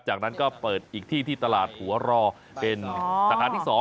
จากนั้นก็เปิดอีกที่ที่ตลาดหัวรอเป็นสาขาที่๒